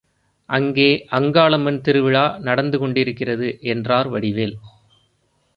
அங்கே அங்காளம்மன் திருவிழா நடந்துகொண்டிருக்கிறது என்றார் வடிவேல்.